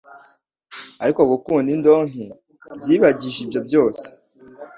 ariko gukunda indonke byibagije ibyo byose.